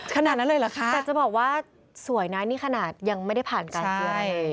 ขนาดนั้นเลยเหรอคะแต่จะบอกว่าสวยนะนี่ขนาดยังไม่ได้ผ่านการช่วย